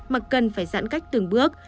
mặc cân phải giãn cách từng bước